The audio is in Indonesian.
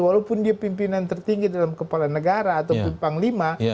walaupun dia pimpinan tertinggi dalam kepala negara atau panglima